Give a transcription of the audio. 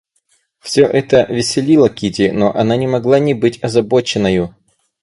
Всё это веселило Кити, но она не могла не быть озабоченною.